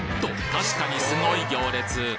確かにすごい行列